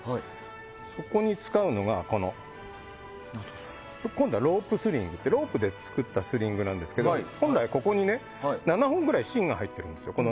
そこに使うのがロープスリングというロープで作ったスリングなんですが本来は、この中に７本ぐらい芯が入っているんですよ。